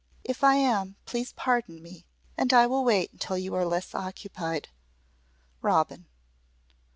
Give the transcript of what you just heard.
If I am please pardon me, and I will wait until you are less occupied. "Robin."